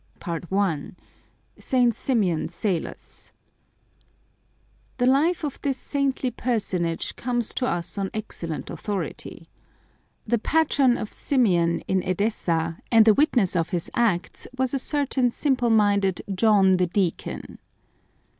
I ST. SYMEON SALOS The life of this saintly personage comes to us on excellent authority. The patron of Symeon in i68 Some Crazy Saints Edessa, and the witness of his acts, was a certain simpSe minded John the Deacon.